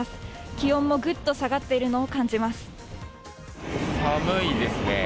気温もぐっと下がっているのを感寒いですね。